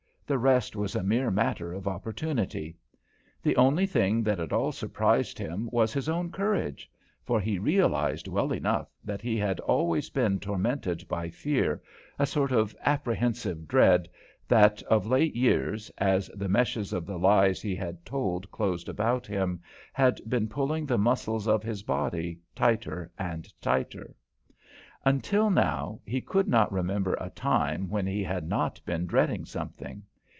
The rest was a mere matter of opportunity. The only thing that at all surprised him was his own courage for he realized well enough that he had always been tormented by fear, a sort of apprehensive dread that, of late years, as the meshes of the lies he had told closed about him, had been pulling the muscles of his body tighter and tighter. Until now, he could not remember a time when he had not been dreading something.